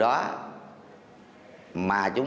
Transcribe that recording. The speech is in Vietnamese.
đối tượng có bị thương